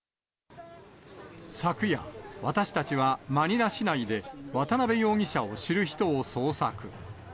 昨夜、私たちはマニラ市内で渡辺容疑者を知る人を捜索。